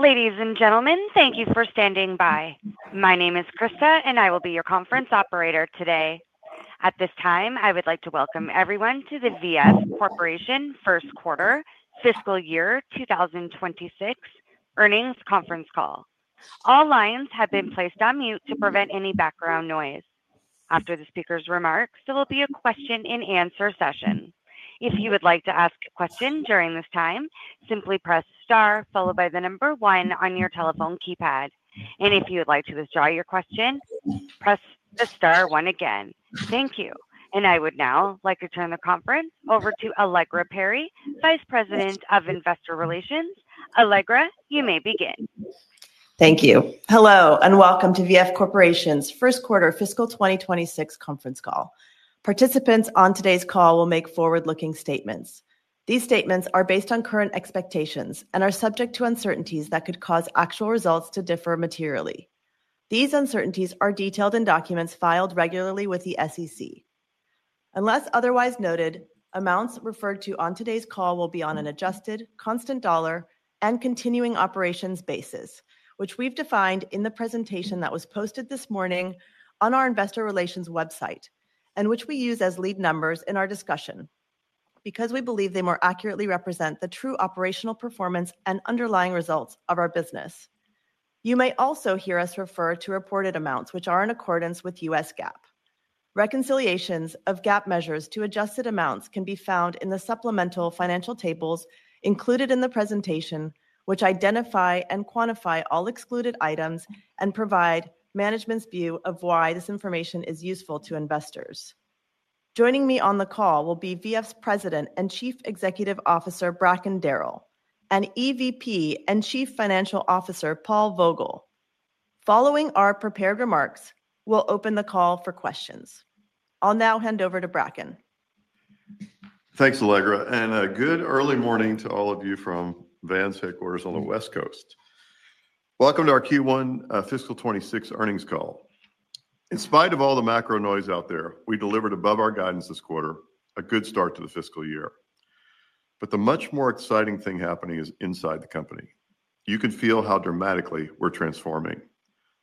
Ladies and gentlemen, thank you for standing by. My name is Krista and I will be your conference operator today. At this time, I would like to welcome everyone to the VF Corporation first quarter fiscal year 2026 earnings conference call. All lines have been placed on mute to prevent any background noise. After the speaker's remarks, there will be a question-and-answer session. If you would like to ask a question during this time, simply press star followed by the number one on your telephone keypad. If you would like to withdraw your question, press the star one again. Thank you. I would now like to turn the conference over to Allegra Perry, Vice President of Investor Relations. Allegra, you may begin. Thank you. Hello and welcome to VF Corporation's first quarter fiscal 2026 conference call. Participants on today's call will make forward-looking statements. These statements are based on current expectations and are subject to uncertainties that could cause actual results to differ materially. These uncertainties are detailed in documents filed regularly with the SEC. Unless otherwise noted, amounts referred to on today's call will be on an adjusted constant dollar and continuing operations basis, which we've defined in the presentation that was posted this morning on our investor relations website and which we use as lead numbers in our discussion because we believe they more accurately represent the true operational performance and underlying results of our business. You may also hear us refer to reported amounts which are in accordance with U.S. GAAP. Reconciliations of GAAP measures to adjusted amounts can be found in the supplemental financial tables included in the presentation, which identify and quantify all excluded items and provide management's view of why this information is useful to investors. Joining me on the call will be V.F.'s President and Chief Executive Officer Bracken Darrell and EVP and Chief Financial Officer Paul Vogel. Following our prepared remarks, we'll open the call for questions. I'll now hand over to Bracken. Thanks, Allegra. Good early morning to all of you from Vans headquarters on the West Coast. Welcome to our Q1 fiscal 2026 earnings call. In spite of all the macro noise out there, we delivered above our guidance this quarter, a good start to the fiscal year. The much more exciting thing happening is inside the company. You can feel how dramatically we're transforming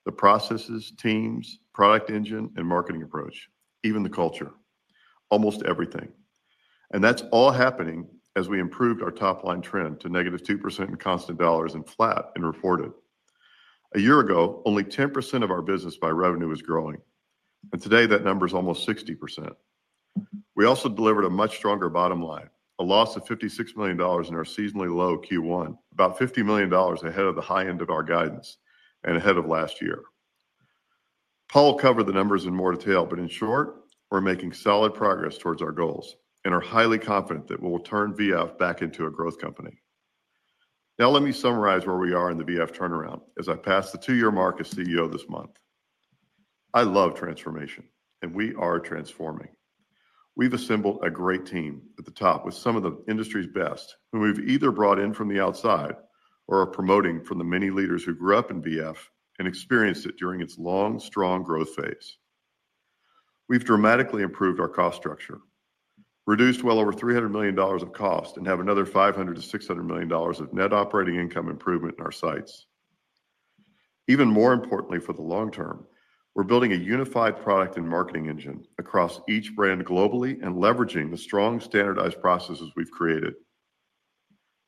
the processes, teams, product engine, and marketing approach. Even the culture. Almost everything. That's all happening as we improved our top line trend to negative 2% in constant dollars and flat. Reported a year ago, only 10% of our business by revenue is growing and today that number is almost 60%. We also delivered a much stronger bottom line. A loss of $56 million in our seasonally low Q1, about $50 million ahead of the high end of our guidance and ahead of last year. Paul covered the numbers in more detail, but in short, we're making solid progress towards our goals and are highly confident that we will turn VF Corporation back into a growth company. Now let me summarize where we are in the VF Corporation turnaround as I pass the two year mark as CEO this month. I love transformation and we are transforming. We've assembled a great team at the top with some of the industry's best whom we've either brought in from the outside or are promoting from the many leaders who grew up in VF Corporation and experienced it during its long strong growth phase. We've dramatically improved our cost structure, reduced well over $300 million of cost, and have another $500 million-$600 million of net operating income improvement in our sights. Even more importantly for the long term, we're building a unified global product and marketing engine across each brand globally and leveraging the strong standardized processes we've created.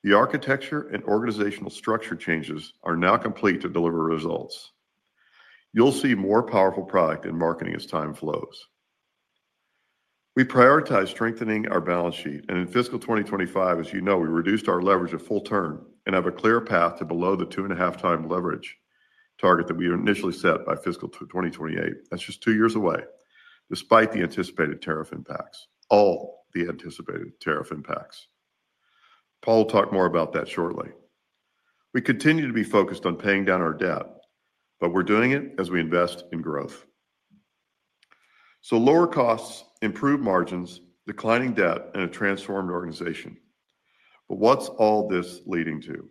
The architecture and organizational structure changes are now complete. To deliver results, you'll see more powerful product in marketing. As time flows, we prioritize strengthening our balance sheet. In fiscal 2025, as you know, we reduced our leverage at full term and have a clear path to below the 2.5x leverage target that we initially set by fiscal 2028. That's just two years away. Despite the anticipated tariff impacts. All the anticipated tariff impacts. Paul will talk more about that shortly. We continue to be focused on paying down our debt, but we're doing it as we invest in growth. Lower costs, improved margins, declining debt, and a transformed organization. What's all this leading to?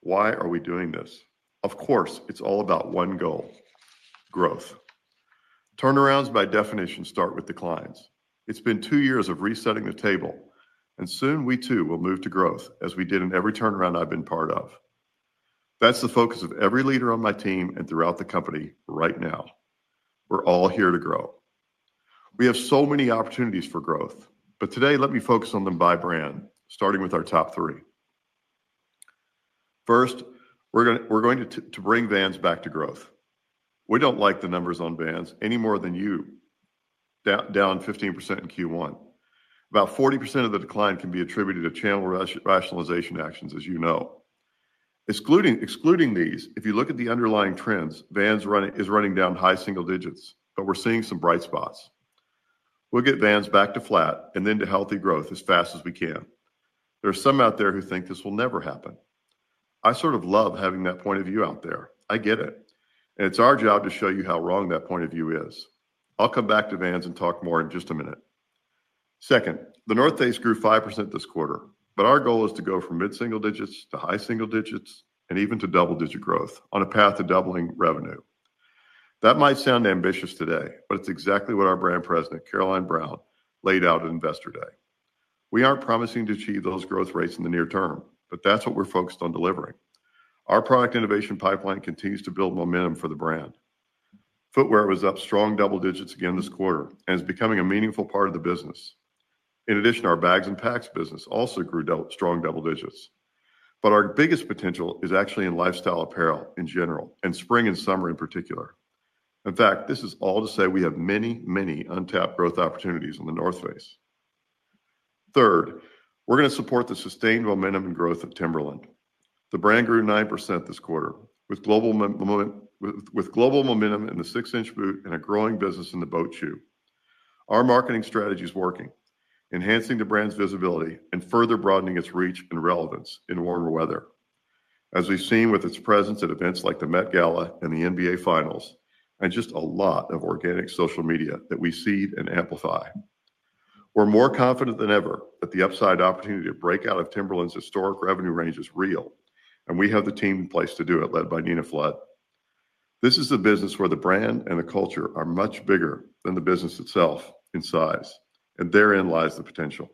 Why are we doing this? Of course, it's all about one goal. Growth turnarounds by definition start with declines. It's been two years of resetting the table and soon we too will move to growth as we did in every turnaround I've been part of. That's the focus of every leader on my team and throughout the company right now. We're all here to grow. We have so many opportunities for growth, but today let me focus on them by brand, starting with our top three. First, we're going to bring Vans back to growth. We don't like the numbers on Vans any more than you. Down 15% in Q1. About 40% of the decline can be attributed to channel rationalization actions. As you know, excluding these, if you look at the underlying trends, Vans is running down high single digits, but we're seeing some bright spots. We'll get Vans back to flat and then to healthy growth as fast as we can. There are some out there who think this will never happen. I sort of love having that point of view out there. I get it, and it's our job to show you how wrong that point of view is. I'll come back to Vans and talk more in just a minute. Second, The North Face grew 5% this quarter, but our goal is to go from mid single digits to high single digits and even to double digit growth on a path to doubling revenue. That might sound ambitious today, but it's exactly what our Brand President Caroline Brown laid out at Investor Day. We aren't promising to achieve those growth rates in the near term, but that's what we're focused on delivering. Our product innovation pipeline continues to build momentum for the brand. Footwear was up strong double digits again this quarter and is becoming a meaningful part of the business. In addition, our bags and packs business also grew strong double digits. Our biggest potential is actually in lifestyle apparel in general and spring and summer in particular. In fact, this is all to say we have many, many untapped growth opportunities in The North Face. Third, we're going to support the sustained momentum and growth of Timberland. The brand grew 9% this quarter with global momentum in the 6 in boot and a growing business in the boat shoe. Our marketing strategy is working, enhancing the brand's visibility and further broadening its reach and relevance in warmer weather. As we've seen with its presence at events like the Met Gala and the NBA Finals and just a lot of organic social media that we seed and amplify, we're more confident than ever that the upside opportunity to break out of Timberland's historic revenue range is real. We have the team in place to do it, led by Nina Flood. This is the business where the brand and the culture are much bigger than the business itself in size, and therein lies the potential.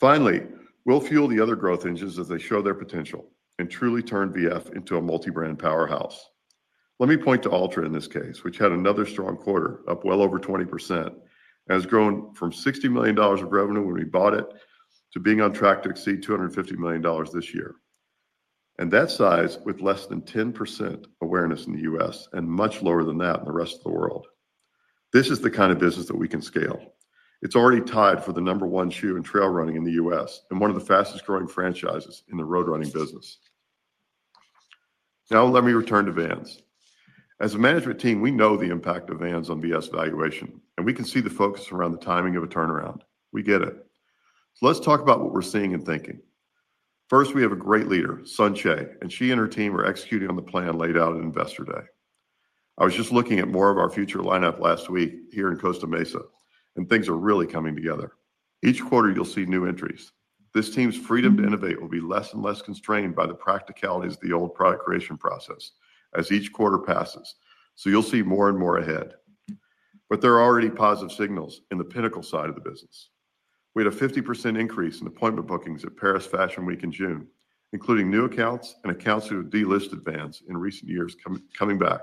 Finally, we'll fuel the other growth engines as they show their potential and truly turn VF into a multi brand powerhouse. Let me point to Altra in this case, which had another strong quarter up well over 20%, has grown from $60 million of revenue when we bought it to being on track to exceed $250 million this year. At that size, with less than 10% awareness in the U.S. and much lower than that in the rest of the world, this is the kind of business that we can scale. It's already tied for the number one shoe in trail running in the U.S. and one of the fastest growing franchises in the road running business. Now let me return to Vans. As a management team, we know the impact of Vans on VF's valuation and we can see the focus around the timing of a turnaround. We get it. Let's talk about what we're seeing and thinking first. We have a great leader, Sun Chay, and she and her team are executing on the plan laid out at Investor Day. I was just looking at more of our future lineup last week here in Costa Mesa and things are really coming together. Each quarter you'll see new entries. This team's freedom to innovate will be less and less constrained by the practicalities of the old product creation process as each quarter passes. You'll see more and more ahead. There are already positive signals in the pinnacle side of the business. We had a 50% increase in appointment bookings at Paris Fashion Week in June, including new accounts and accounts who delisted Vans in recent years coming back.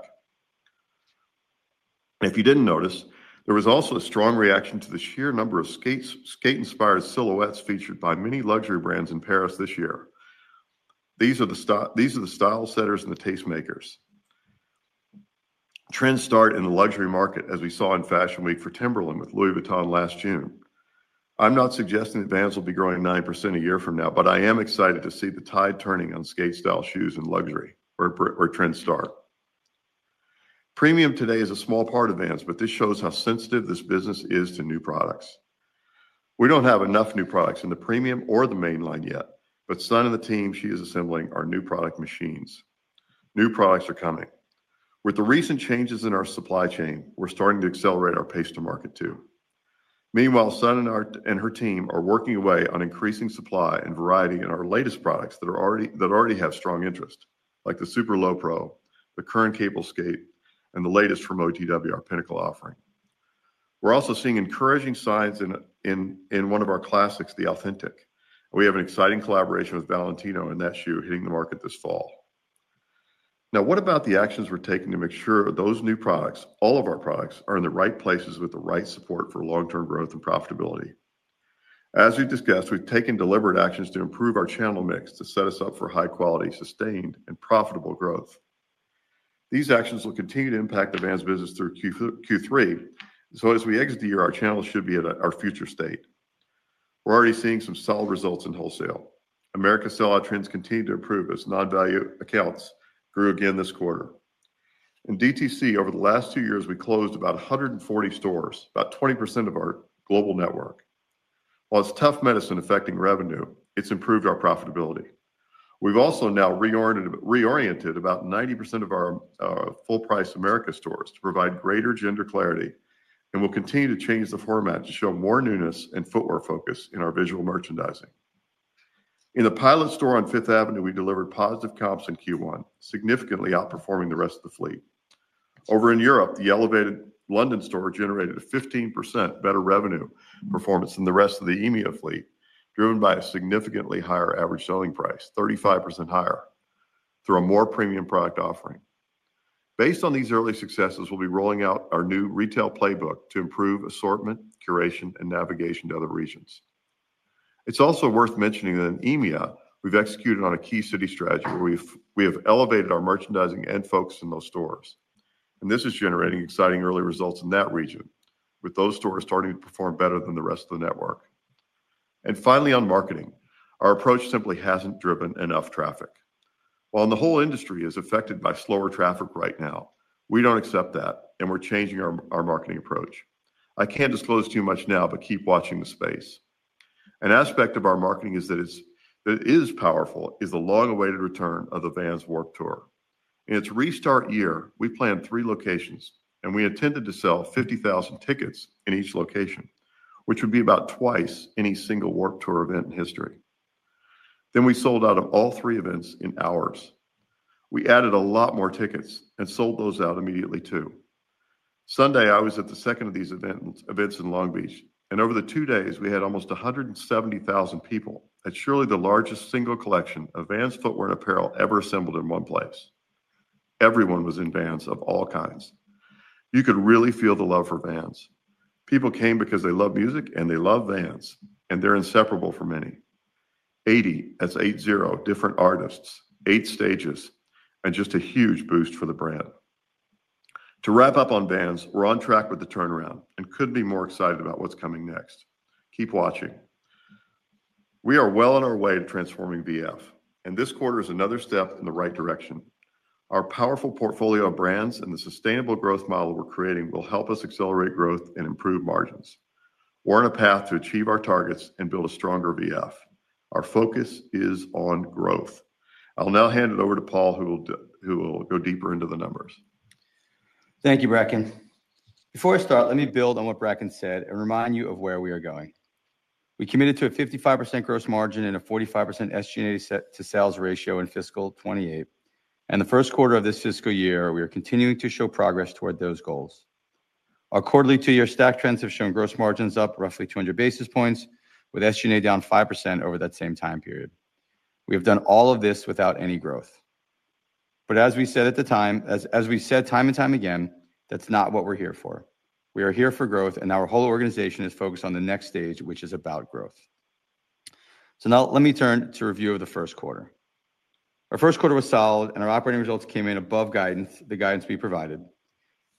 If you didn't notice, there was also a strong reaction to the sheer number of skate inspired silhouettes featured by many luxury brands in Paris this year. These are the style setters and the tastemakers. Trends start in the luxury market as we saw in Fashion Week for Timberland with Louis Vuitton last June. I'm not suggesting that Vans will be growing 9% a year from now, but I am excited to see the tide turning on skate style shoes and luxury or trend start. Premium today is a small part of Vans, but this shows how sensitive this business is to new products. We don't have enough new products in the premium or the mainline yet, but Sun and the team she is assembling are new product machines. New products are coming. With the recent changes in our supply chain, we're starting to accelerate our pace to market too. Meanwhile, Sun and her team are working away on increasing supply and variety in our latest products that already have strong interest, like the Super Low Pro, the current Cablescape, and the latest from OTW, our pinnacle offering. We're also seeing encouraging signs in one of our classics, the Authentic. We have an exciting collaboration with Valentino in that shoe hitting the market this fall. Now, what about the actions we're taking to make sure those new products, all of our products, are in the right places with the right support for long-term growth and profitability? As we've discussed, we've taken deliberate actions to improve our channel mix to set us up for high-quality, sustained, and profitable growth. These actions will continue to impact the Vans business through Q3. As we exit the year, our channel should be at our future state. We're already seeing some solid results in Wholesale America. Sellout trends continue to improve as non-value accounts grew again this quarter in DTC. Over the last two years, we closed about 140 stores, about 20% of our global network. While it's tough medicine affecting revenue, it's improved our profitability. We've also now reoriented about 90% of our full-price America stores to provide greater gender clarity, and we'll continue to change the format to show more newness and footwear focus in our visual merchandising. In the pilot store on Fifth Avenue, we delivered positive comps in Q1, significantly outperforming the rest of the fleet. Over in Europe, the elevated London store generated a 15% better revenue performance than the rest of the EMEA fleet, driven by a significantly higher average selling price, 35% higher through a more premium product offering. Based on these early successes, we'll be rolling out our new retail playbook to improve assortment, curation, and navigation to other regions. It's also worth mentioning that in EMEA we've executed on a key city strategy where we have elevated our merchandising and folks in those stores, and this is generating exciting early results in that region with those stores starting to perform better than the rest of the network. Finally, on marketing, our approach simply hasn't driven enough traffic. While the whole industry is affected by slower traffic right now, we don't accept that and we're changing our marketing approach. I can't disclose too much now, but keep watching the space. An aspect of our marketing that is powerful is the long-awaited return of the Vans Warped Tour. In its restart year, we planned three locations and we intended to sell 50,000 tickets in each location, which would be about twice any single Vans Warped Tour event in history. We sold out of all three events in hours. We added a lot more tickets and sold those out immediately too. Sunday I was at the second of these events in Long Beach, and over the two days we had almost 170,000 people at surely the largest single collection of Vans footwear and apparel ever assembled in one place. Everyone was in Vans of all kinds. You could really feel the love for Vans. People came because they love music and they love Vans, and they're inseparable for many. 80, as in eight zero, different artists, eight stages, and just a huge boost for the brand. To wrap up on Vans, we're on track with the turnaround and couldn't be more excited about what's coming next. Keep watching. We are well on our way to transforming VF, and this quarter is another step in the right direction. Our powerful portfolio of brands and the sustainable growth model we're creating will help us accelerate growth and improve margins. We're on a path to achieve our targets and build a stronger VF. Our focus is on growth. I'll now hand it over to Paul, who will go deeper into the numbers. Thank you, Bracken. Before I start, let me build on what Bracken said and remind you of where we are going. We committed to a 55% gross margin and a 45% SG&A to sales ratio in fiscal 2028 and the first quarter of this fiscal year. We are continuing to show progress toward those goals. Our quarterly two-year stack trends have shown gross margins up roughly 200 basis points with SG&A down 5% over that same time period. We have done all of this without any growth, but as we said time and time again, that's not what we're here for. We are here for growth and our whole organization is focused on the next stage, which is about growth. Let me turn to review of the first quarter. Our first quarter was solid and our operating results came in above the guidance we provided.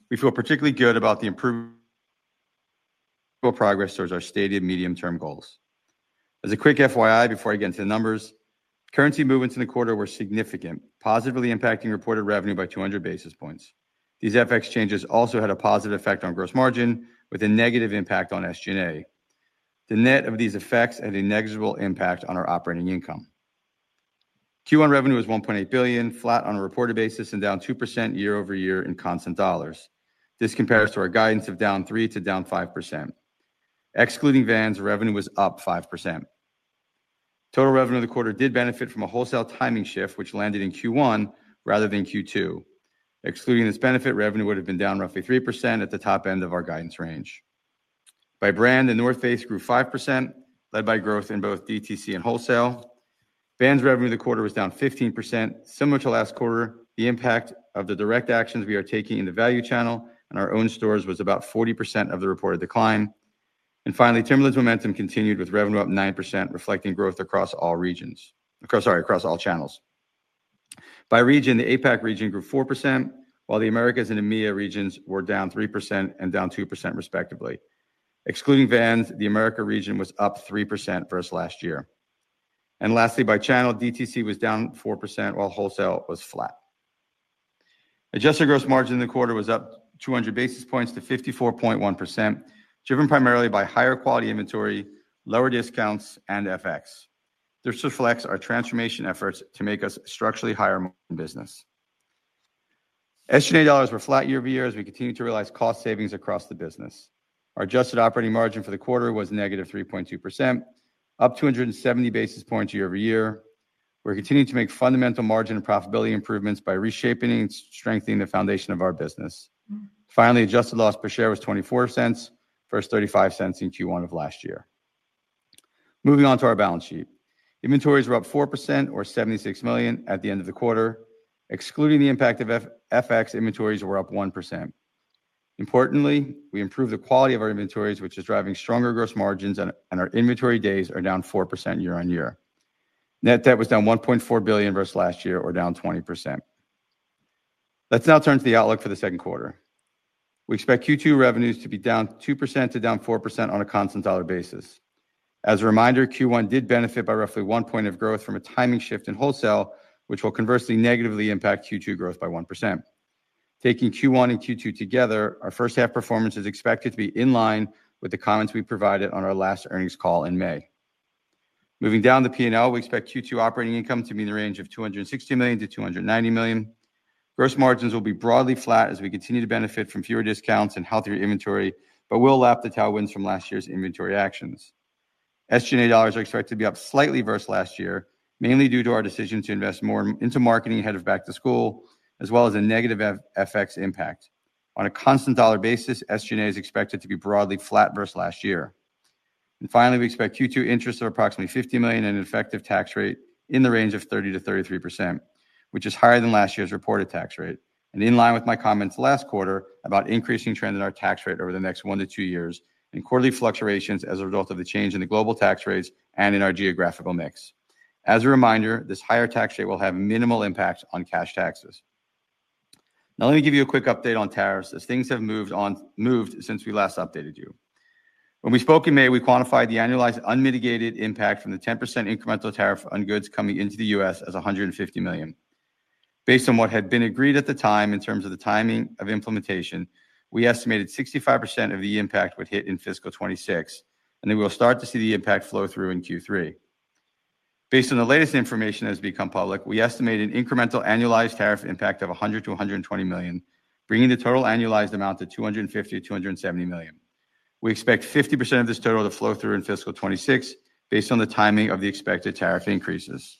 We feel particularly good about the improvement progress towards our stated medium-term goals. As a quick FYI before I get into the numbers, currency movements in the quarter were significant, positively impacting reported revenue by 200 basis points. These FX changes also had a positive effect on gross margin with a negative impact on SG&A. The net of these effects had a negligible impact on our operating income. Q1 revenue was $1.8 billion, flat on a reported basis and down 2% year-over-year in constant dollars. This compares to our guidance of down 3% to down 5%. Excluding Vans, revenue was up 5%. Total revenue of the quarter did benefit from a wholesale timing shift which landed in Q1 rather than Q2. Excluding this benefit, revenue would have been down roughly 3% at the top end of our guidance range. By brand, The North Face grew 5%, led by growth in both DTC and wholesale. Vans revenue for the quarter was down 15%, similar to last quarter. The impact of the direct actions we are taking in the value channel and our own stores was about 40% of the reported decline. Finally, Timberland's momentum continued with revenue up 9%, reflecting growth across all channels. By region, the APAC region grew 4% while the Americas and EMEA regions were down 3% and down 2%, respectively. Excluding Vans, the Americas region was up 3% versus last year. Lastly, by channel, DTC was down 4% while wholesale was flat. Adjusted gross margin in the quarter was up 200 basis points to 54.1%, driven primarily by higher quality inventory, lower discounts, and FX. This reflects our transformation efforts to make us structurally higher in business. Earnings dollars were flat year-over-year as we continue to realize cost savings across the business. Our adjusted operating margin for the quarter was negative 3.2%, up 270 basis points year-over-year. We're continuing to make fundamental margin and profitability improvements by reshaping, strengthening the foundation of our business. Finally, adjusted loss per share was $0.24 versus $0.35 in Q1 of last year. Moving on to our balance sheet, inventories were up 4% or $76 million at the end of the quarter. Excluding the impact of FX, inventories were up 1%. Importantly, we improved the quality of our inventories, which is driving stronger gross margins, and our inventory days are down 4% year on year. Net debt was down $1.4 billion versus last year, or down 20%. Let's now turn to the outlook for the second quarter. We expect Q2 revenues to be down 2% to down 4% on a constant dollar basis. As a reminder, Q1 did benefit by roughly 1 point of growth from a timing shift in wholesale, which will conversely negatively impact Q2 growth by 1%. Taking Q1 and Q2 together, our first half performance is expected to be in line with the comments we provided on our last earnings call in May. Moving down the P&L, we expect Q2 operating income to be in the range of $260 million-$290 million. Gross margins will be broadly flat as we continue to benefit from fewer discounts and healthier inventory, but will lap the tailwinds from last year's inventory actions. SG&A dollars are expected to be up slightly versus last year, mainly due to our decision to invest more into marketing ahead of back to school as well as a negative FX impact. On a constant dollar basis, SG&A is expected to be broadly flat versus last year. Finally, we expect Q2 interest of approximately $50 million and an effective tax rate in the range of 30%-33%, which is higher than last year's reported tax rate and in line with my comments last quarter about increasing trend in our tax rate over the next one to two years and quarterly fluctuations as a result of the change in the global tax rates and in our geographical mix. As a reminder, this higher tax rate will have minimal impact on cash taxes. Now let me give you a quick update on tariffs as things have moved since we last updated you. When we spoke in May, we quantified the annualized unmitigated impact from the 10% incremental tariff on goods coming into the U.S. as $150 million based on what had been agreed at the time. In terms of the timing of implementation, we estimated 65% of the impact would hit in fiscal 2026, and then we will start to see the impact flow through in Q3. Based on the latest information that has become public, we estimate an incremental annualized tariff impact of $100 million-$120 million, bringing the total annualized amount to $250million-$270 million. We expect 50% of this total to flow through in fiscal 2026 based on the timing of the expected tariff increases.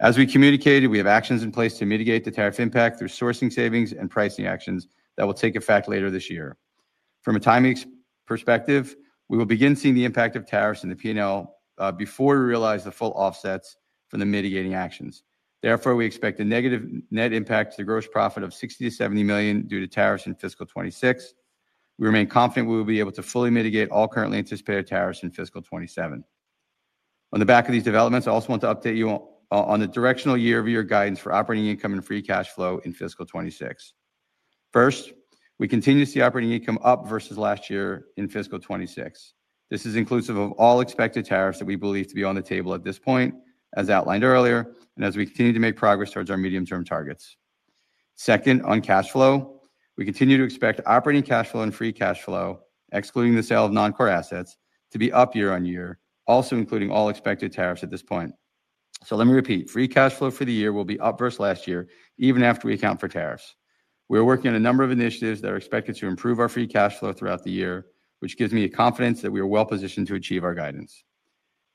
As we communicated, we have actions in place to mitigate the tariff impact through sourcing savings and pricing actions that will take effect later this year. From a timing perspective, we will begin seeing the impact of tariffs in the P&L before we realize the full offsets from the mitigating actions. Therefore, we expect a negative net impact to the gross profit of $60 million-$70 million due to tariffs in fiscal 2026. We remain confident we will be able to fully mitigate all currently anticipated tariffs in fiscal 2027. On the back of these developments, I also want to update you on the directional year-over-year guidance for operating income and free cash flow in fiscal 2026. First, we continue to see operating income up versus last year in fiscal 2026. This is inclusive of all expected tariffs that we believe to be on the table at this point as outlined earlier and as we continue to make progress towards our medium-term targets. Second, on cash flow, we continue to expect operating cash flow and free cash flow excluding the sale of non-core assets to be up year on year, also including all expected tariffs at this point. Let me repeat, free cash flow for the year will be up versus last year even after we account for tariffs. We are working on a number of initiatives that are expected to improve our free cash flow throughout the year, which gives me confidence that we are well positioned to achieve our guidance,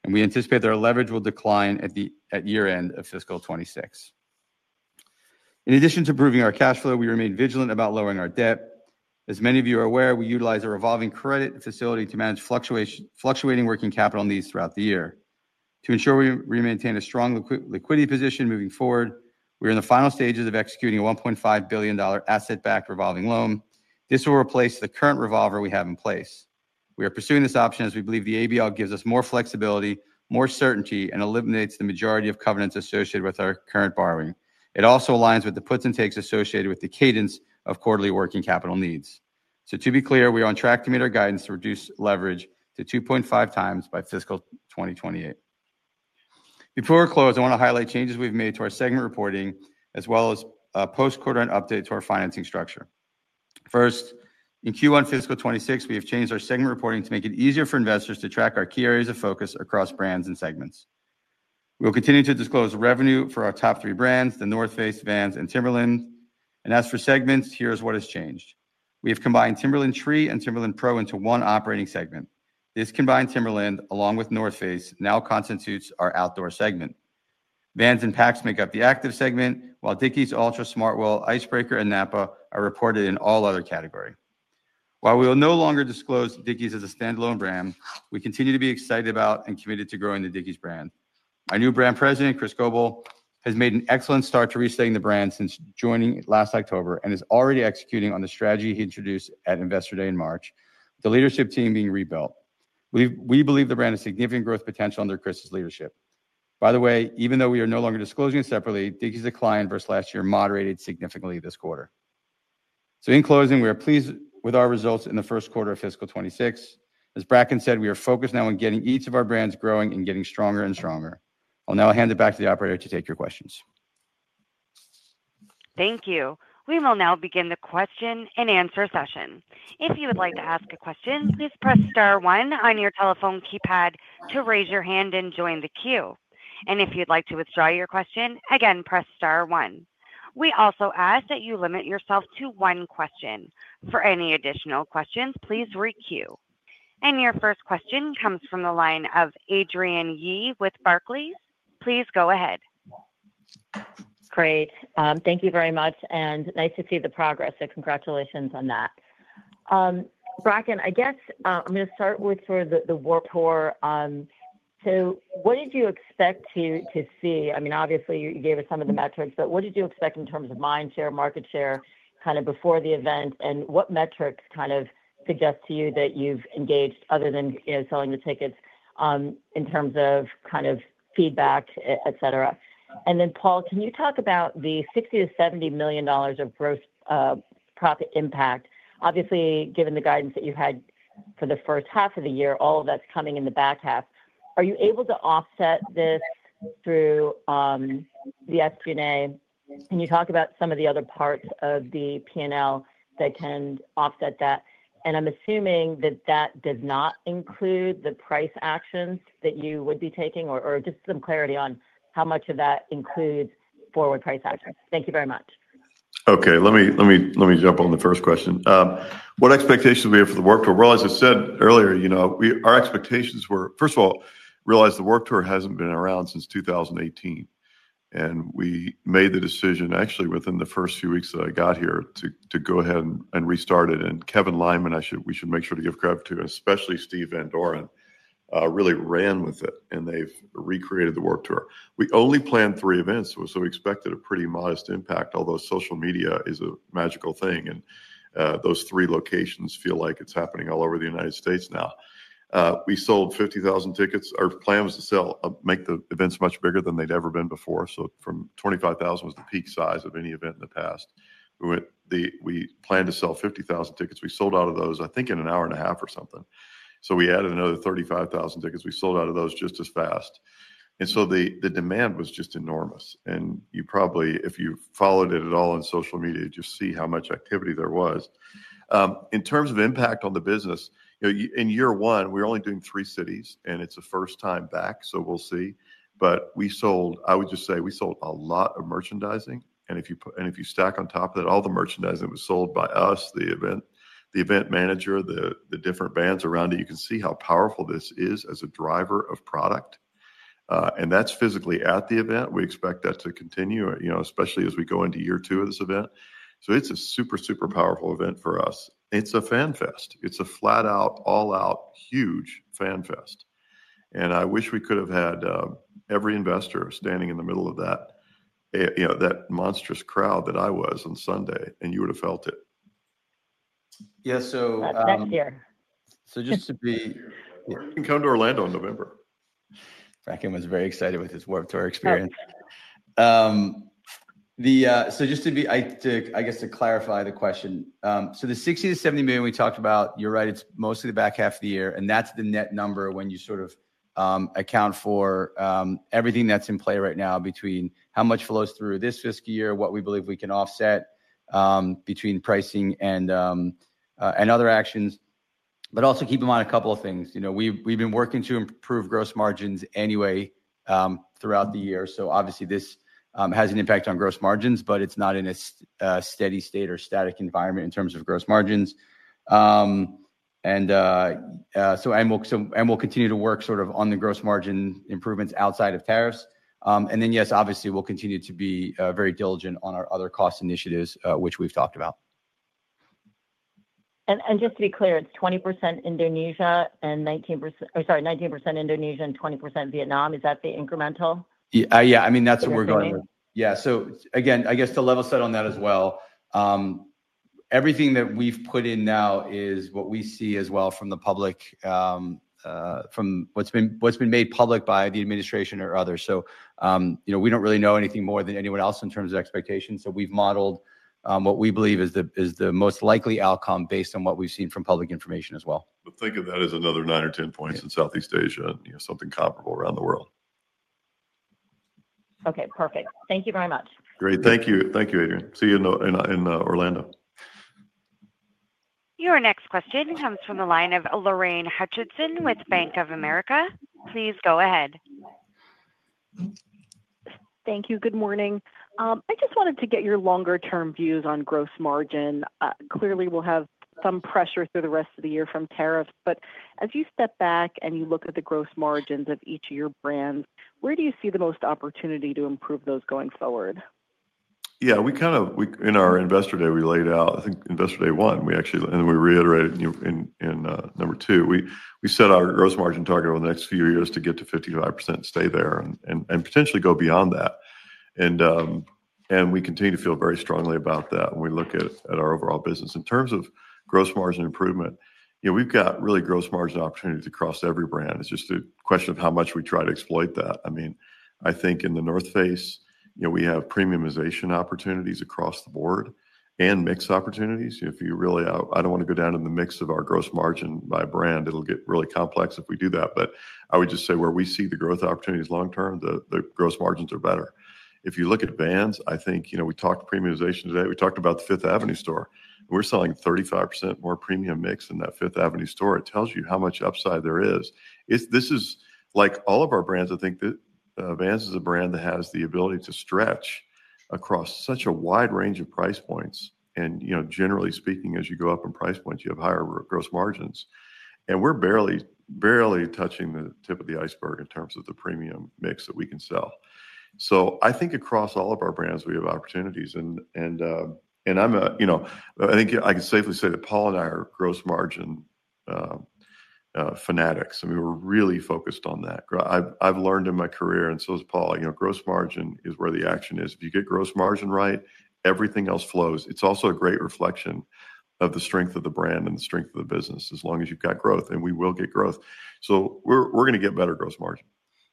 and we anticipate that our leverage will decline at the year end of fiscal 2026. In addition to improving our cash flow, we remain vigilant about lowering our debt. As many of you are aware, we utilize a revolving credit facility to manage fluctuating working capital needs throughout the year to ensure we maintain a strong liquidity position moving forward. We're in the final stages of executing a $1.5 billion asset-backed revolver. This will replace the current revolver we have in place. We are pursuing this option as we believe the asset-backed revolver gives us more flexibility, more certainty, and eliminates the majority of covenants associated with our current borrowing. It also aligns with the puts and takes associated with the cadence of quarterly working capital needs. To be clear, we are on track to meet our guidance to reduce leverage to 2.5 times by fiscal 2028. Before close, I want to highlight changes we've made to our segment reporting as well as a post-quarter end update to our financing structure. First, in Q1 fiscal 2026, we have changed our segment reporting to make it easier for investors to track our key areas of focus across brands and segments. We will continue to disclose revenue for our top three brands, The North Face, Vans, and Timberland. As for segments, here's what has changed. We have combined Timberland Tree and Timberland Pro into one operating segment. This combined Timberland, along with The North Face, now constitutes our Outdoor segment. Vans and packs make up the Active segment, while Dickies, Altra, Smartwool, Icebreaker, and Napapijri are reported in the All Other category. While we will no longer disclose Dickies as a standalone brand, we continue to be excited about and committed to growing the Dickies brand. My new Brand President, Chris Goble, has made an excellent start to resetting the brand since joining last October and is already executing on the strategy he introduced at Investor Day in March. The leadership team is being rebuilt. We believe the brand has significant growth potential under Chris's leadership. By the way, even though we are no longer disclosing separately, Dickies' decline versus last year moderated significantly this quarter. In closing, we are pleased with our results in the first quarter of fiscal 2026. As Bracken Darrell said, we are focused now on getting each of our brands growing and getting stronger and stronger. I'll now hand it back to the operator to take your questions. Thank you. We will now begin the question-and-answer session. If you would like to ask a question, please press Star one on your telephone keypad to raise your hand and join the queue. If you'd like to withdraw your question, again, press Star one. We also ask that you limit yourself to one question. For any additional questions, please requeue. Your first question comes from the line of Adrienne Yih-Tennant with Barclays Bank PLC. Please go ahead. Great. Thank you very much and nice to see the progress. Congratulations on that, Bracken. I guess I'm going to start with sort of the Vans Warped Tour. What did you expect to see? Obviously, you gave us some of the metrics, but what did you expect in terms of mind share, market share, kind of before the event? What metrics suggest to you that you've engaged, other than selling the tickets, in terms of feedback, et cetera? Paul, can you talk about the $60 million-$70 million of gross profit impact? Obviously, given the guidance that you had for the first half of the year, all of that's coming in the back half. Are you able to offset this through the SG&A? Can you talk about some of the other parts of the P&L that can offset that? I'm assuming that does not include the price actions that you would be taking or just some clarity on how much of that includes forward price actions. Thank you very much. Let me jump on the first question. What expectations we have for the Vans Warped Tour? As I said earlier, our expectations were, first of all, realize the Vans Warped Tour hasn't been around since 2018, and we made the decision actually within the first few weeks that I got here to go ahead and restart it. Kevin Lyman, we should make sure to give credit to, especially Steve Van Doren really ran with it and they've recreated the Vans Warped Tour. We only planned three events, so we expected a pretty modest impact. Although social media is a magical thing and those three locations feel like it's happening all over the United States now. We sold 50,000 tickets. Our plan was to sell, make the events much bigger than they'd ever been before. From 25,000 was the peak size of any event in the past. We planned to sell 50,000 tickets. We sold out of those, I think in an hour and a half or something. We added another 35,000 tickets. We sold out of those just as fast. The demand was just enormous. If you followed it at all on social media, you just see how much activity there was. In terms of impact on the business, in year one, we're only doing three cities and it's the first time back, so we'll see. I would just say we sold a lot of merchandising. If you stack on top of that, all the merchandising was sold by us, the event manager, the different bands around it. You can see how powerful this is as a driver of product, and that's physically at the event. We expect that to continue, especially as we go into year two of this event. It's a super, super powerful event for us. It's a fan fest. It's a flat out, all out huge fan fest. I wish we could have had every investor standing in the middle of that monstrous crowd that I was on Sunday. You would have felt it. Yeah. So. Just to be come to Orlando in November. Bracken was very excited with his Vans Warped Tour experience. Just to clarify the question, the $60 million-$70 million we talked about, you're right, it's mostly the back half of the year and that's the net number when you account for everything that's in play right now between how much flows through this fiscal year and what we believe we can offset between pricing and other actions. Also, keep in mind a couple of things. We've been working to improve gross margins anyway throughout the year. Obviously, this has an impact on gross margins, but it's not in a steady state or static environment in terms of gross margins. We'll continue to work on the gross margin improvements outside of tariffs. Yes, we'll continue to be very diligent on our other cost initiatives which we've talked about. Just to be clear, it's 19% Indonesia and 20% Vietnam. Is that the incremental? Yeah, I mean, that's what we're going with. Yeah. Again, I guess to level set on that as well, everything that we've put in now is what we see as well from the public, from what's been made public by the administration or others. We don't really know anything more than anyone else in terms of expectations. We've modeled what we believe is the most likely outcome based on what we've seen from public information as well. Think of that as another 9 or 10 points in Southeast Asia, something comparable around the world. Okay, perfect. Thank you very much. Great. Thank you. Thank you, Adrienne. See you in Orlando. Your next question comes from the line of Lorraine Hutchinson with Bank of America. Please go ahead. Thank you. Good morning. I just wanted to get your longer term views on gross margin. Clearly we'll have some pressure through the rest of the year from tariffs, but as you step back and you look at the gross margins of each of your brands, where do you see the most opportunity to improve those going forward. Yeah, in our investor day, we laid out, I think investor day one, we actually reiterated in number two, we set our gross margin target over the next few years to get to 55%, stay there, and potentially go beyond that. We continue to feel very strongly about that. When we look at our overall business in terms of gross margin improvement, we've got really gross margin opportunities across every brand. It's just a question of how much we try to exploit that. I think in The North Face, we have premiumization opportunities across the board and mix opportunities. I don't want to go down in the mix of our gross margin by brand. It'll get really complex if we do that. I would just say where we see the growth opportunities long term, the gross margins are better. If you look at Vans, I think we talked premiumization today. We talked about the Fifth Avenue store. We're selling 35% more premium mix in that Fifth Avenue store. It tells you how much upside there is. This is like all of our brands. I think that Vans is a brand that has the ability to stretch across such a wide range of price points. Generally speaking, as you go up in price points, you have higher gross margins. We're barely touching the tip of the iceberg in terms of the premium mix that we can sell. I think across all of our brands, we have opportunities. I think I can safely say that Paul and I are gross margin fanatics. We're really focused on that. I've learned in my career, and so has Paul, gross margin is where the action is. If you get gross margin right, everything else flows. It's also a great reflection of the strength of the brand and the strength of the business. As long as you've got growth, and we will get growth, we're going to get better gross margin.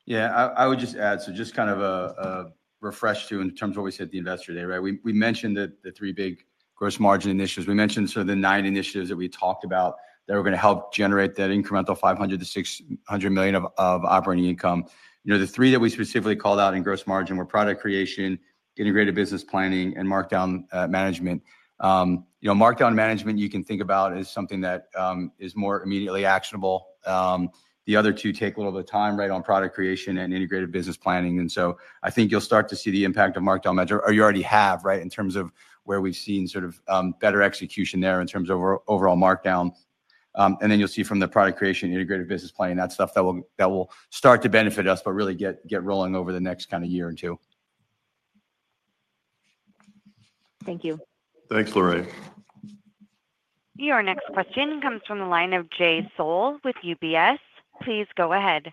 Yeah. I would just add, just kind of a refresh too. In terms of what we said at the investor day, right, we mentioned the three big gross margin initiatives. We mentioned sort of the nine initiatives that we talked about that were going to help generate that incremental $500 million-$600 million of operating income. You know, the three that we specifically called out in gross margin were product creation, integrated business planning, and markdown management. You know, markdown management you can think about as something that is more immediately actionable. The other two take a little bit of time, right, on product creation and integrated business planning. I think you'll start to see the impact of markdown management, or you already have, right, in terms of where we've seen sort of better execution there in terms of overall markdown. Then you'll see from the product creation and integrated business planning, that's stuff that will start to benefit us but really get rolling over the next year or two. Thank you. Thanks Lorraine. Your next question comes from the line of Jay Sole with UBS Investment Bank. Please go ahead.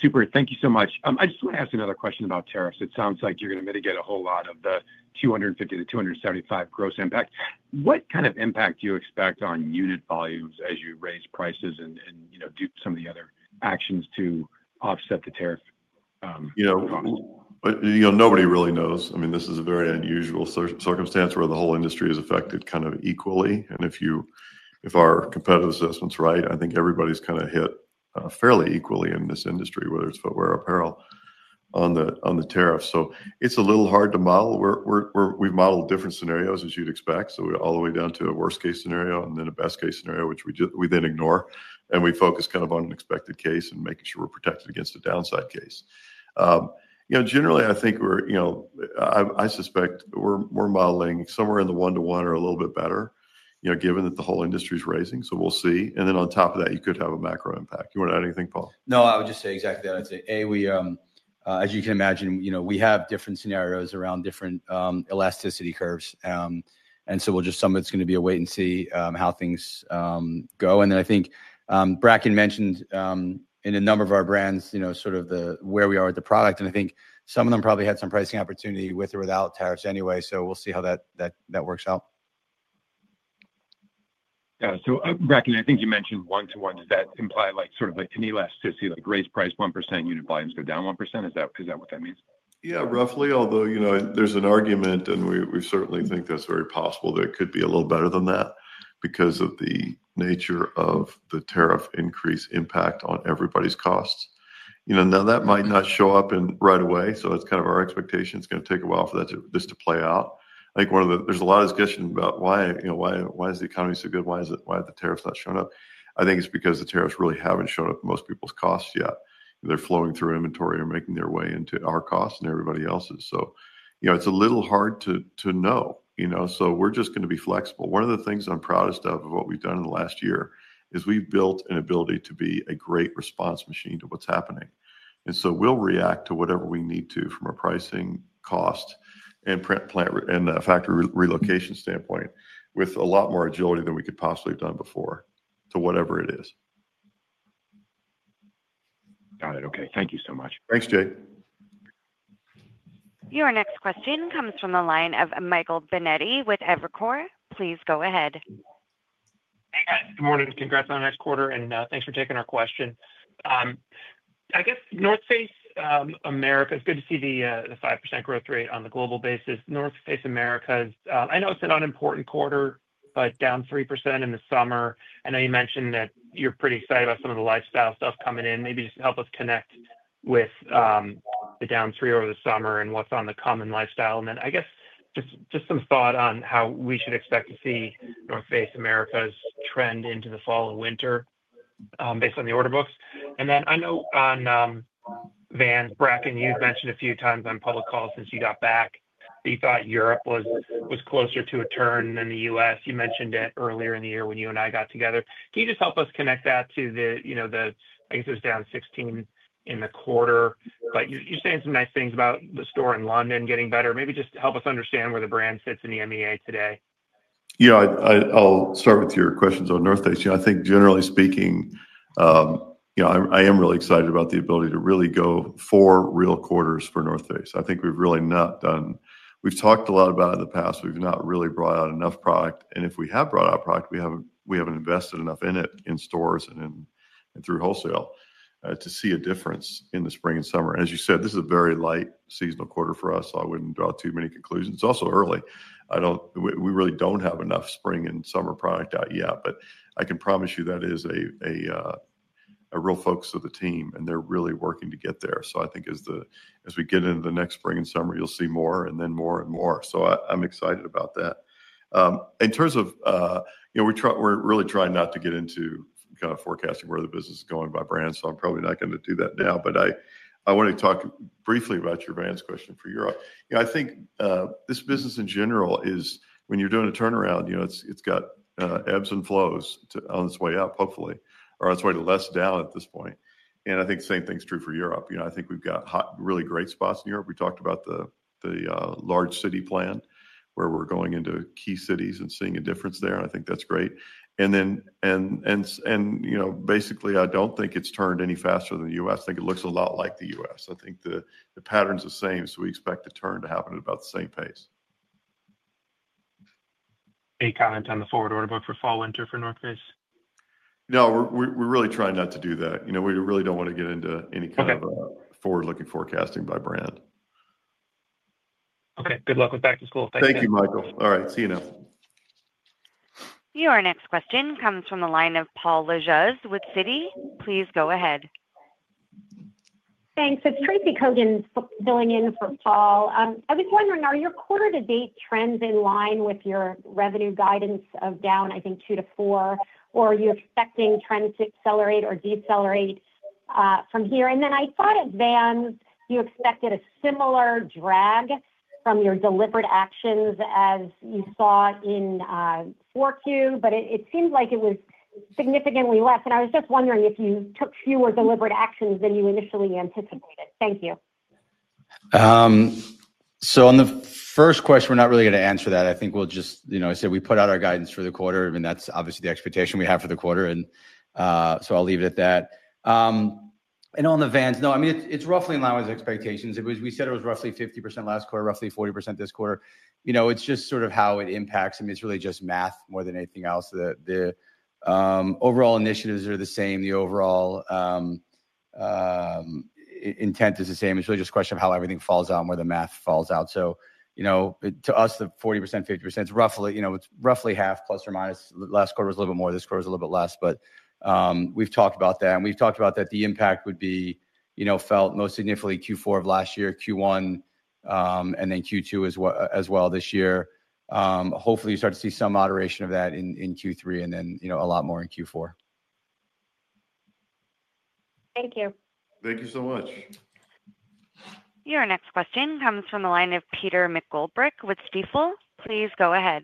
Super. Thank you so much. I just want to ask another question about tariffs. It sounds like you're going to mitigate a whole lot of the $250 million-$275 million gross impact. What kind of impact do you expect on unit volumes as you raise prices and do some of the other actions to offset the tariff? You know, nobody really knows. I mean, this is a very unusual circumstance where the whole industry is affected kind of equally. If our competitive assessment is right, I think everybody's kind of hit fairly equally in this industry, whether it's footwear, apparel, on the tariff. It's a little hard to model. We've modeled different scenarios as you'd expect. We're all the way down to a worst case scenario and then a best case scenario, which we then ignore, and we focus kind of on an expected case and making sure we're protected against a downside case. Generally, I think we're, you know, I suspect we're modeling somewhere in the one to one or a little bit better, given that the whole industry is raising. We'll see. On top of that, you could have a macro impact. You want to add anything, Paul? No, I would just say exactly that. I say we, as you can imagine, you know, we have different scenarios around different elasticity curves. It's going to be a wait and see how things go. I think Bracken mentioned in a number of our brands, you know, sort of where we are with the product, and I think some of them probably had some pricing opportunity with or without tariffs anyway. We'll see how that works out. Bracken, I think you mentioned one to one. Does that imply like sort of an elasticity like raise price 1%, unit volumes go down 1%? Is that what that means? Yeah, roughly. Although, you know, there's an argument and we certainly think that's very possible that it could be a little better than that because of the nature of the tariff increase impact on everybody's costs. That might not show up right away. It's kind of our expectation it's going to take a while for this to play out. I think there's a lot of discussion about why the economy is so good, why the tariffs are not showing up. I think it's because the tariffs really haven't shown up in most people's costs yet. They're flowing through inventory and making their way into our costs and everybody else's. It's a little hard to know, so we're just going to be flexible. One of the things I'm proudest of that we've done in the last year is we've built an ability to be a great response machine to what's happening. We'll react to whatever we need to from a pricing, cost, and plant and factory relocation standpoint with a lot more agility than we could possibly have done before to whatever it is. Got it. Okay, thank you so much. Thanks, Jay. Your next question comes from the line of Michael Charles Binetti with Evercore Inc. Please go ahead. Hey guys, good morning. Congrats on the next quarter and thanks for taking our question. I guess The North Face America, it's good to see the 5% growth rate on the global basis. The North Face Americas, I know it's an unimportant quarter, but down 3% in the summer. I know you mentioned that you're pretty excited about some of the lifestyle stuff coming in. Maybe just help us connect with the down 3% over the summer and what's on the common lifestyle. I guess just some thought on how we should expect to see The North Face Americas trend into the fall and winter based on the order books. I know on Vans, Bracken, you've mentioned a few times on public calls since you got back, you thought Europe was closer to a turn than the U.S. You mentioned it earlier in the year when you and I got together. Can you just help us connect that to the, you know, the, I guess it was down 16% in the quarter, but you're saying some nice things about the store in London getting better. Maybe just help us understand where the brand sits in the EMEA today. I'll start with your questions on The North Face. I think generally speaking, I am really excited about the ability to really go four real quarters for The North Face. I think we've really not done, we've talked a lot about it in the past, we've not really brought out enough product, and if we have brought out product, we haven't invested enough in it in stores and through wholesale to see a difference in the spring and summer. As you said, this is a very light seasonal quarter for us. I wouldn't draw too many conclusions. Conclusions also early, we really don't have enough spring and summer product out yet. I can promise you that is a real focus of the team and they're really working to get there. I think as we get into the next spring and summer, you'll see more and then more and more. I'm excited about that. In terms of, we try, we're really trying not to get into kind of forecasting where the business is going by brand. I'm probably not going to do that now. I want to talk briefly about your Vans question for Europe. I think this business in general is, when you're doing a turnaround, it's got ebbs and flows on its way up hopefully or on its way to less down at this point. I think the same thing's true for Europe. I think we've got really great spots in Europe. We talked about the large city plan where we're going into key cities and seeing a difference there, and I think that's great. Basically, I don't think it's turned any faster than the U.S. I think it looks a lot like the U.S., the pattern's the same. We expect the turn to happen at about the same pace. Any comment on the forward order book for fall winter for The North Face? No, we're really trying not to do that. We really don't want to get into any kind of forward-looking forecasting by brand. Okay. Good luck with back to school. Thank you, Michael. All right, see you. Now your next question comes from the line of Paul Vogel with Citigroup Inc. Please go ahead. Thanks. It's Tracy Kogan filling in for fall. I was wondering, are your quarter-to-date trends in line with your revenue guidance of down, I think, 2%-4%, or are you expecting trends to accelerate or decelerate from here? I thought at Vans you expected a similar drag from your deliberate actions as you saw in Q4, but it seemed like it was significantly less. I was just wondering if you took fewer deliberate actions than you initially anticipated. Thank you. On the first question, we're not really going to answer that. I think we'll just, you know, I said we put out our guidance for the quarter. That's obviously the expectation we have for the quarter. I'll leave it at that. On the Vans, no, it's roughly in line with expectations. We said it was roughly 50% last quarter, roughly 40% this quarter. It's just sort of how it impacts. It's really just math more than anything else. The overall initiatives are the same. The overall intent is the same. It's really just a question of how everything falls out and where the math falls out. To us, the 40%, 50% is roughly, you know, it's roughly half, plus or minus. Last quarter was a little bit more. This quarter is a little bit less. We've talked about that and we've talked about that. The impact would be felt most significantly Q4 of last year, Q1 and then Q2 as well this year. Hopefully you start to see some moderation of that in Q3 and then a lot more in Q4. Thank you. Thank you so much. Your next question comes from the line of Peter Clement McGoldrick with Stifel Nicolaus & Company Incorporated. Please go ahead.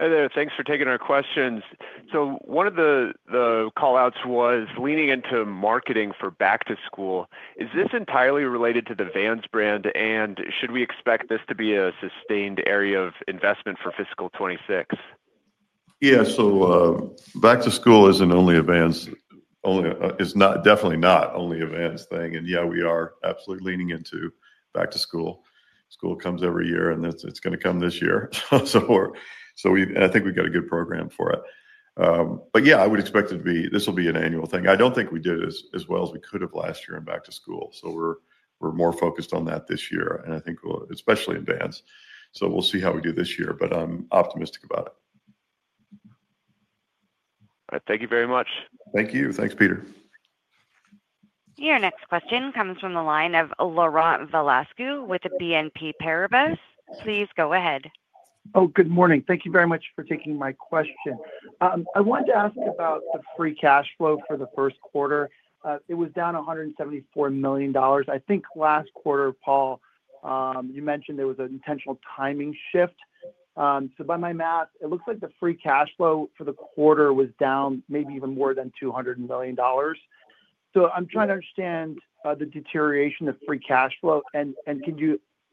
Hi there. Thanks for taking our questions. One of the call outs was leaning into marketing for Back to School. Is this entirely related to the Vans brand? Should we expect this to be a sustained area of investment for fiscal 2020? Yeah. Back to School isn't only a Vans thing. It's definitely not only a Vans thing. Yeah, we are absolutely leaning into Back to School. School comes every year and it's going to come this year. I think we've got a good program for it, but I would expect it to be an annual thing. I don't think we did as well as we could have last year in Back to School. We're more focused on that this year and I think especially in Vans. We'll see how we do this year, but I'm optimistic about it. Thank you very much. Thank you. Thanks, Peter. Your next question comes from the line of Laurent Andre Vasilescu with BNP Paribas Exane. Please go ahead. Oh, good morning. Thank you very much for taking my question. I wanted to ask about the free cash flow for the first quarter. It was down $174 million, I think, last quarter. Paul, you mentioned there was an intentional timing shift. By my math, it looks like the free cash flow for the quarter was down maybe even more than $200 million. I'm trying to understand the deterioration of free cash flow.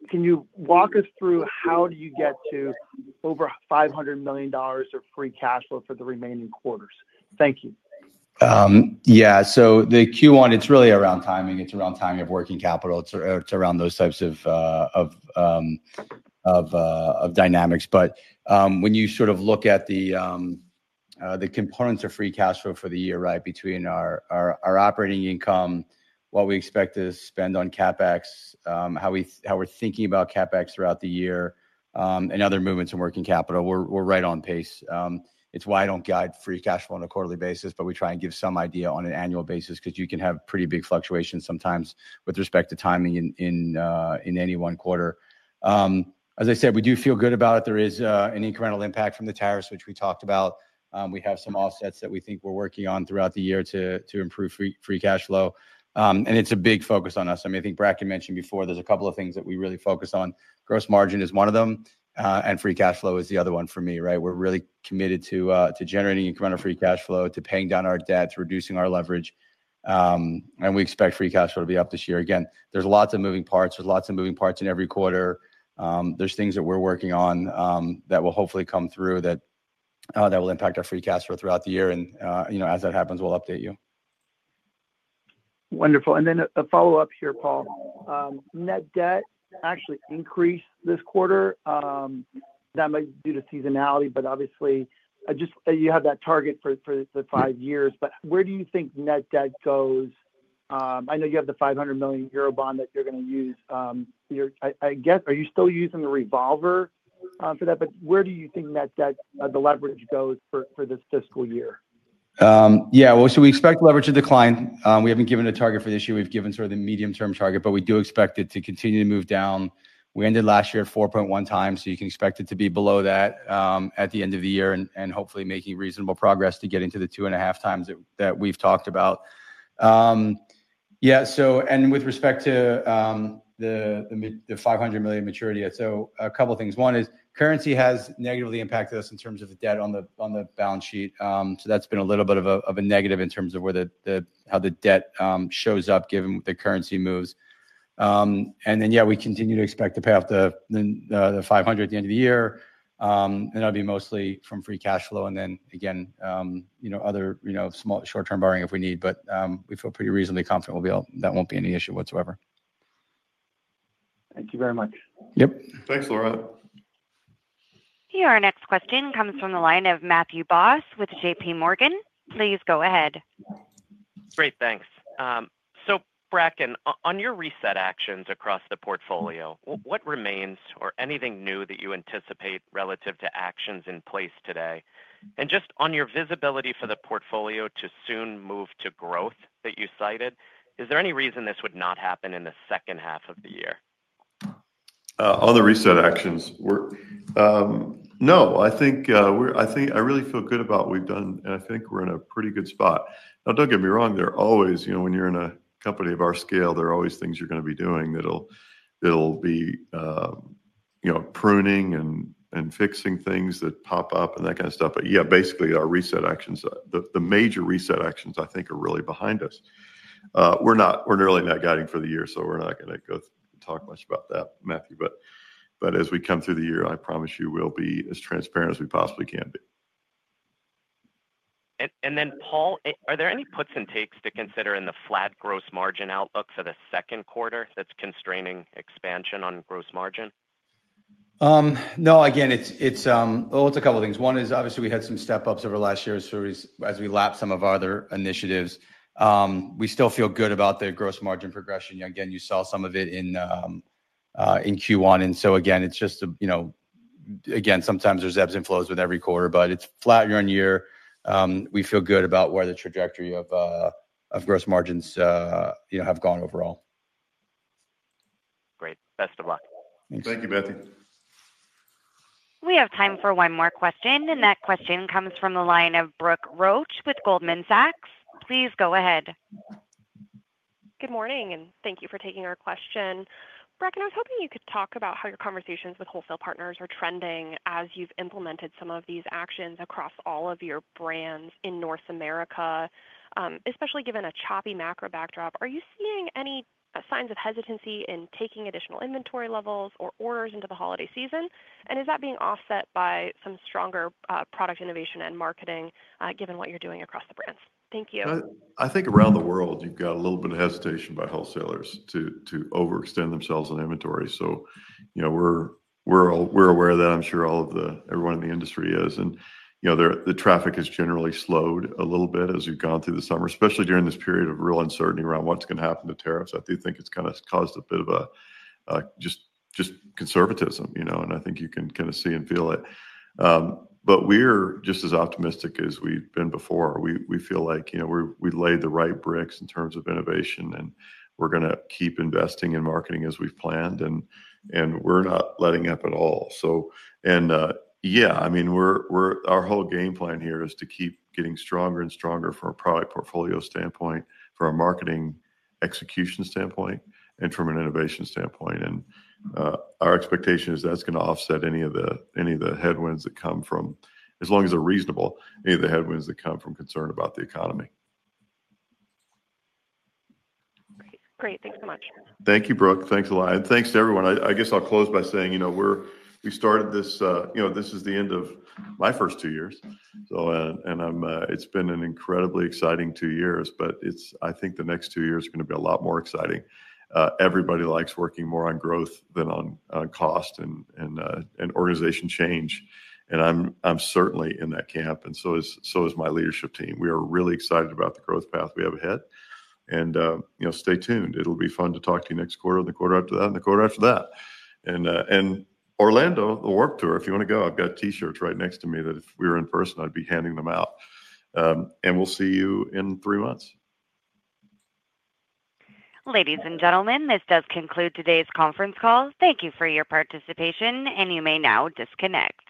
Can you walk us through how you get to over $500 million of free cash flow for the remaining quarters? Thank you. Yeah, so the Q1, it's really around timing, it's around timing of working capital, it's around those types of dynamics. When you sort of look at the components of free cash flow for the year, right between our operating income, what we expect to spend on CapEx, how we're thinking about CapEx throughout the year and other movements in working capital, we're right on pace. It's why I don't guide free cash flow on a quarterly basis, but we try and give some idea on an annual basis because you can have pretty big fluctuations sometimes with respect to timing in any one quarter. As I said, we do feel good about it. There is an incremental impact from the tariffs which we talked about. We have some offsets that we think we're working on throughout the year to improve free cash flow. It's a big focus on us. I think Bracken mentioned before, there's a couple of things that we really focus on. Gross margin is one of them and free cash flow is the other one for me. We're really committed to generating incremental free cash flow, to paying down our debt, to reducing our leverage. We expect free cash flow to be up this year again. There's lots of moving parts. There's lots of moving parts in every quarter. There's things that we're working on that will hopefully come through that will impact our free cash flow throughout the year. As that happens, we'll update you. Wonderful. A follow up here, Paul. Net debt actually increased this quarter. That might be due to seasonality, but obviously you have that target for the five years. Where do you think net debt goes? I know you have the 500 million euro bond that you're going to use. Are you still using the revolver for that? Where do you think that the leverage goes for this fiscal year? Yeah, we expect leverage to decline. We haven't given a target for this year. We've given sort of the medium term target, but we do expect it to continue to move down. We ended last year at 4.1 times, so you can expect it to be below that at the end of the year and hopefully making reasonable progress to get into the 2.5 times that we've talked about. With respect to the $500 million maturity, a couple of things. One is currency has negatively impacted us in terms of the debt on the balance sheet. That's been a little bit of a negative in terms of how the debt shows up given the currency moves. We continue to expect to pay off the $500 million at the end of the year and that'll be mostly from free cash flow and, again, other small short term borrowing if we need. We feel pretty reasonably confident we'll be able, that won't be any issue whatsoever. Thank you very much. Yep, thanks, Laurent. Our next question comes from the line of Matthew Boss with JPMorgan Chase & Co. Please go ahead. Great, thanks. Bracken, on your reset actions across the portfolio, what remains or anything new that you anticipate relative to actions in place today, and just on your visibility for the portfolio to soon move to growth that you cited, is there any reason this would not happen in the. Second half of the year on the reset actions? No, I think I really feel good about what we've done and I think we're in a pretty good spot now. Don't get me wrong, when you're in a company of our scale, there are always things you're going to be doing that will be pruning and fixing things that pop up and that kind of stuff. Basically, our reset actions, the major reset actions, I think are really behind us. We're not guiding for the year so we're not going to go talk much about that, Matthew. As we come through the year, I promise you we'll be as transparent as we possibly can be. Paul, are there any puts and takes to consider in the flat gross margin outlook for the second quarter that's constraining expansion on gross margin? No, it's a couple things. One is obviously we had some step ups over last year as far as we lap some of our other initiatives. We still feel good about the gross margin progression. You saw some of it in Q1, and sometimes there's ebbs and flows with every quarter, but it's flat year on year. We feel good about where the trajectory of gross margins have gone. Overall, great. Best of luck. Thank you. Beth, we have time for one more question and that question comes from the line of Brooke Roach with Goldman Sachs. Please go ahead. Good morning and thank you for taking our question. Bracken, I was hoping you could talk about how your conversations with wholesale partners are trending as you've implemented some of these actions across all of your brands in North America. Especially given a choppy macro backdrop, are you seeing any signs of hesitancy in taking additional inventory levels or orders into the holiday season? Is that being offset by some stronger product innovation and marketing, given what you're doing across the brands? Thank you. I think around the world you've got a little bit of hesitation by wholesalers to overextend themselves in inventory. We're aware of that. I'm sure everyone in the industry is. The traffic has generally slowed a little bit as we've gone through the summer, especially during this period of real uncertainty around what's going to happen to tariffs. I do think it's kind of caused a bit of just conservatism, you know, and I think you can kind of see and feel it. We're just as optimistic as we've been before. We feel like we laid the right bricks in terms of innovation and we're going to keep investing in marketing as we've planned. We're not letting up at all. Our whole game plan here is to keep getting stronger and stronger from a product portfolio standpoint, from a marketing execution standpoint, and from an innovation standpoint. Our expectation is that's going to offset any of the headwinds that come from, as long as they're reasonable, any of the headwinds that come from concern about the economy. Great, thanks so much. Thank you, Brooke. Thanks a lot. Thanks to everyone. I guess I'll close by saying, you know, we started this. This is the end of my first two years. It's been an incredibly exciting two years, but I think the next two years are going to be a lot more exciting. Everybody likes working more on growth than on cost and organization change. I'm certainly in that camp and so is my leadership team. We are really excited about the growth path we have ahead. You know, stay tuned. It'll be fun to talk to you next quarter, in the quarter after that, and the quarter after that, and Orlando, the Vans Warped Tour, if you want to go. I've got T-shirts right next to me that if we were in person, I'd be handing them out. We'll see you in three months. Ladies and gentlemen, this does conclude today's conference call. Thank you for your participation, and you may now disconnect.